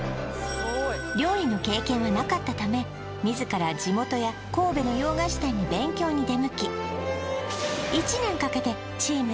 料理の経験はなかったため自ら地元や神戸の洋菓子店に勉強に出向きえ！